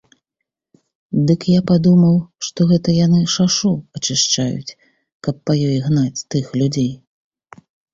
Дык я падумаў, што гэта яны шашу ачышчаюць, каб па ёй гнаць тых людзей.